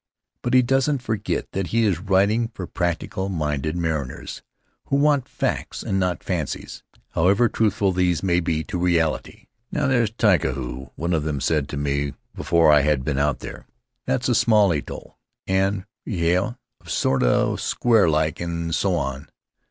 But he doesn't forget that he is writing for practical minded mariners who want facts and not fancies, however truthful these may be to reality. "Now, there's Tikehau," one of them said to me before I had been out there. "That's a round atoll; and Rahiroa is sort o' square like, an' so on.